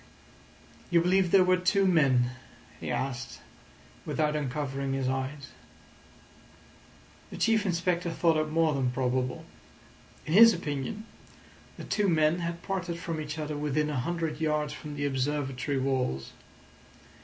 "You believe there were two men?" he asked, without uncovering his eyes. The Chief Inspector thought it more than probable. In his opinion, the two men had parted from each other within a hundred yards from the Observatory walls.